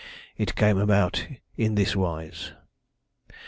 "It came about in this wise.